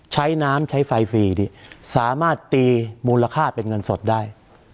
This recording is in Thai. ใช้น้ำใช้ไฟฟรีดิสามารถตีมูลค่าเป็นเงินสดได้